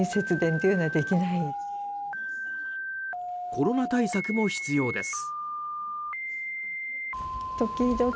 コロナ対策も必要です。